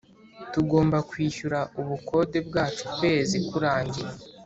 tugomba kwishyura ubukode bwacu ukwezi kurangiye.